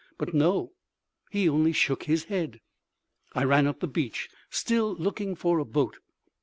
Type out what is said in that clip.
But no, he only shook his head. I ran up the beach, still looking for a boat.